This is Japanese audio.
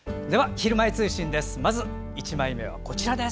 「ひるまえ通信」です。